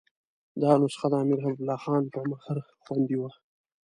دا نسخه د امیر حبیب الله خان په مهر خوندي وه.